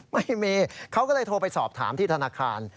ไม่มีเขาก็เลยโทรไปสอบถามที่ธนาคาร